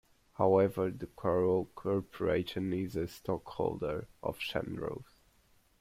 However, the Corel Corporation is a stockholder of Xandros.